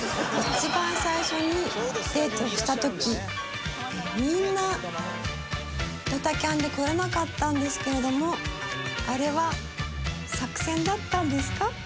一番最初にデートした時みんなドタキャンで来れなかったんですけれどもあれは作戦だったんですか？